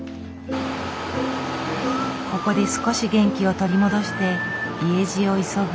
ここで少し元気を取り戻して家路を急ぐ。